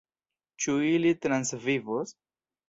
Ĉu ili transvivos?